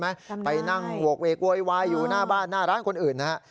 ทำไมไปนั่งโหกเวกโวยวายอยู่หน้าบ้านหน้าร้านคนอื่นนะฮะ